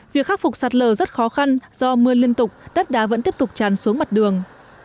việc khắc phục sạt lở rất khó khăn do mưa liên tục đất đá vẫn tiếp tục tràn xuống mặt đường